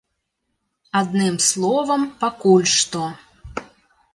Адным словам, пакуль што.